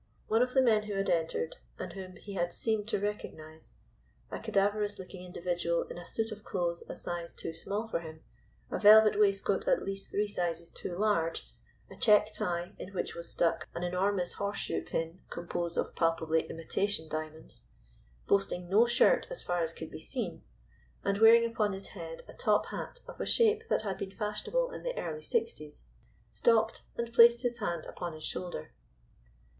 One of the men who had entered, and whom he had seemed to recognize a cadaverous looking individual in a suit of clothes a size too small for him, a velvet waistcoat at least three sizes too large, a check tie, in which was stuck an enormous horseshoe pin composed of palpably imitation diamonds, boasting no shirt as far as could be seen, and wearing upon his head a top hat of a shape that had been fashionable in the early sixties stopped, and placed his hand upon his shoulder.